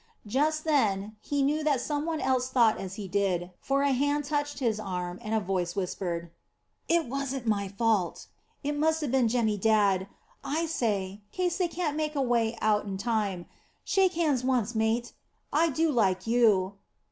Just then, he knew that some one else thought as he did, for a hand touched his arm, and a voice whispered, "It wasn't my fault. It must have been Jemmy Dadd. I say case they can't make a way out in time shake hands once, mate. I do like you."